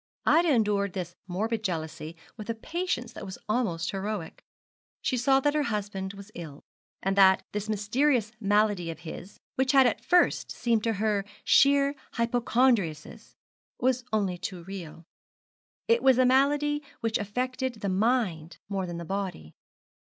Ida endured this morbid jealousy with a patience that was almost heroic. She saw that her husband was ill, and that this mysterious malady of his, which had at first seemed to her sheer hypochondriasis, was only too real. It was a malady which affected the mind more than the body.